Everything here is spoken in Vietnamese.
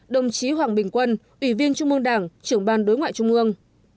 hai mươi năm đồng chí hoàng bình quân ủy viên trung mương đảng trưởng ban đối ngoại trung mương